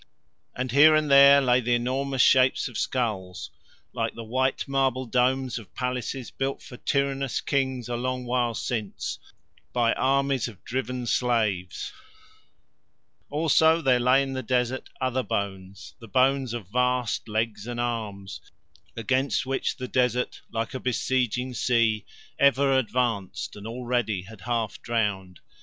And here and there lay the enormous shapes of skulls like the white marble domes of palaces built for tyrannous kings a long while since by armies of driven slaves. Also there lay in the desert other bones, the bones of vast legs and arms, against which the desert, like a besieging sea, ever advanced and already had half drowned.